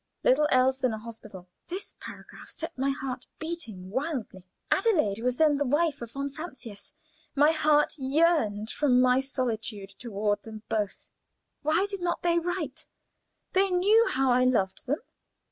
little else than a hospital." This paragraph set my heart beating wildly. Adelaide was then the wife of von Francius. My heart yearned from my solitude toward them both. Why did not they write? They knew how I loved them.